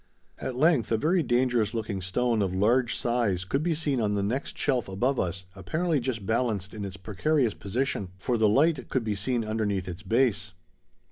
At length a very dangerous looking stone of large size could be seen on the next shelf above us apparently just balanced in its precarious position, for the light could be seen underneath its base.